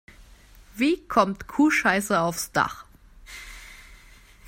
Wie kommt Kuhscheiße aufs Dach?